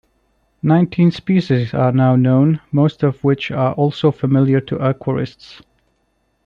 Nineteen species are now known, most of which are also familiar to aquarists.